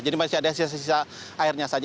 jadi masih ada sisa sisa airnya